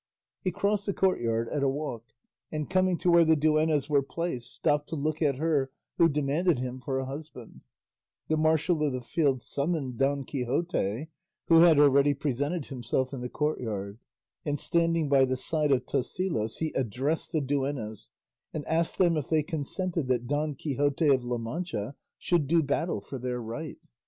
He crossed the courtyard at a walk, and coming to where the duennas were placed stopped to look at her who demanded him for a husband; the marshal of the field summoned Don Quixote, who had already presented himself in the courtyard, and standing by the side of Tosilos he addressed the duennas, and asked them if they consented that Don Quixote of La Mancha should do battle for their right.